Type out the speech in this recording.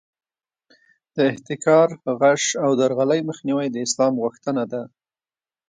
د احتکار، غش او درغلۍ مخنیوی د اسلام غوښتنه ده.